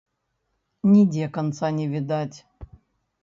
Нідзе канца не відаць.